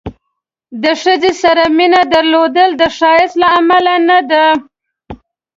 د ښځې سره مینه درلودل د ښایست له امله نه ده.